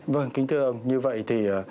vâng kính thưa ông như vậy thì